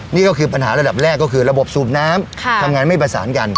นี่ก็คือปัญหาระดับแรกก็คือระบบสูบน้ำทำงานไม่ประสานกัน